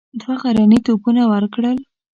دوه غرني توپونه ورکړل.